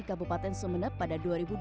kabupaten sumeneb pada dua ribu dua puluh